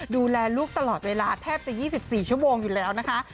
ดูแลลูกตลอดเวลาแทบจะ๒๔ชั่วโมงอยู่แล้วนะคะ